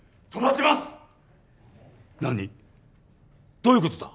どういうことだ？